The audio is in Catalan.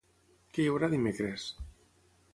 Què hi haurà dimecres?